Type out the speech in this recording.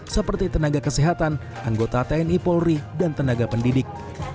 seperti tenaga kesehatan anggota tni polri dan tenaga pendidik